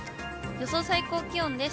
予想最高気温です。